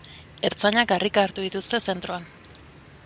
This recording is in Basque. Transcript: Ertzainak harrika hartu dituzte zentroan.